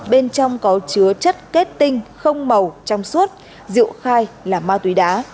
bên trong có chứa chất kết tinh không màu trong suốt rượu khai là ma túy đá